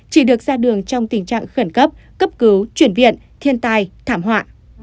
chỉ được ra đường trong tình trạng khẩn cấp cấp cứu chuyển viện thiên tai thảm họa